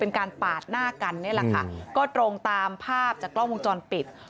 การปาดหน้ากันนี่แหละค่ะก็ตรงตามภาพจากกล้องวงจรปิด